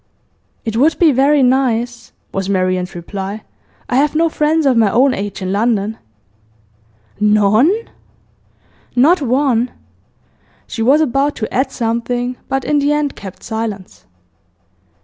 'It would be very nice,' was Marian's reply. 'I have no friends of my own age in London.' 'None?' 'Not one!' She was about to add something, but in the end kept silence.